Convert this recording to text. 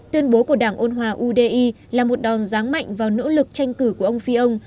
tuyên bố của đảng ôn hòa udi là một đòn ráng mạnh vào nỗ lực tranh cử của ông phi ông